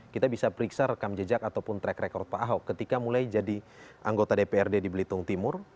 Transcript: kita bisa periksa rekam jejak ataupun track record pak ahok ketika mulai jadi anggota dprd di belitung timur